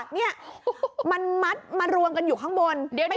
นี่มันมัดมารวมกันอยู่ข้างบน